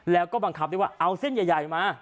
แล้วก็บังคับได้ว่าเอาเส้นใหญ่มา